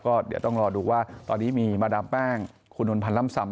ก็เดี๋ยวต้องรอดูว่าตอนนี้มีมาดามแป้งคุณนวลพันธ์ล่ำซำ